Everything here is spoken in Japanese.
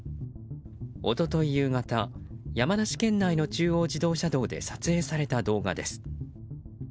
一昨日夕方山梨県内の中央自動車道で撮影された動画です。